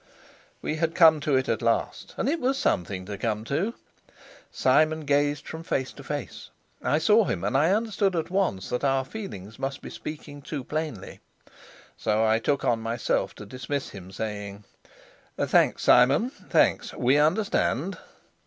We had come to it at last, and it was something to come to. Simon gazed from face to face. I saw him, and I understood at once that our feelings must be speaking too plainly. So I took on myself to dismiss him, saying: "Thanks, Simon, thanks: we understand."